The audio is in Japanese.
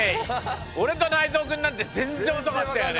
俺と内藤くんなんて全然遅かったよね。